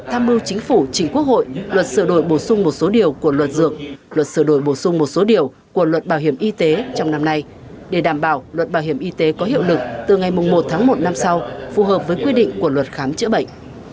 tham mưu chính phủ chính quốc hội luật sửa đổi bổ sung một số điều của luật dược luật sửa đổi bổ sung một số điều của luật bảo hiểm y tế trong năm nay để đảm bảo luật bảo hiểm y tế có hiệu lực từ ngày một tháng một năm sau phù hợp với quy định của luật khám chữa bệnh